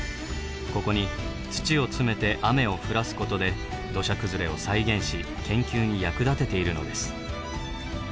ここに土を詰めて雨を降らすことで土砂崩れを再現し研究に役立てているのです。